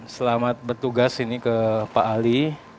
selamat bertugas ini ke pak ali